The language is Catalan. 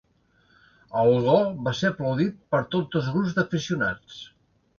El gol va ser aplaudit per tots dos grups d'aficionats.